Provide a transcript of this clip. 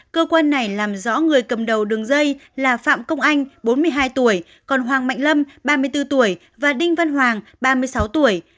cơ quan này làm rõ người cầm đầu đường dây là phạm công anh bốn mươi hai tuổi còn hoàng mạnh lâm ba mươi bốn tuổi và đinh văn hoàng ba mươi sáu tuổi